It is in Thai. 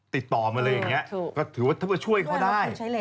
ติดต่อมาเลยอย่างนี้ก็ถือว่าถ้ามาช่วยเขาได้